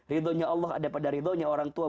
ridu'nya allah ada pada ridu'nya orang tua